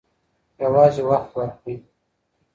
یوازې وخت ورکړئ.